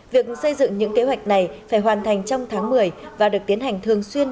việc xây dựng những kế hoạch này phải hoàn thành trong tháng một mươi và được tiến hành thường xuyên